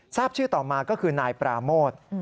ทราบชื่อต่อมาก็คือนายปราโมท